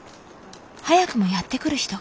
早くもやって来る人が。